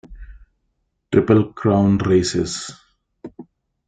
Triple Crown Races.